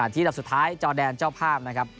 ทีดับสุดท้ายจอแดนเจ้าภาพนะครับ